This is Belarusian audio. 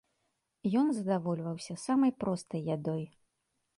Ён задавольваўся самай простай ядой.